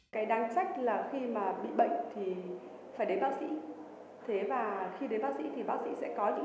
đấy chúng tôi sẽ chọn những loại cắt thế thế mà không phải hoạt chất đấy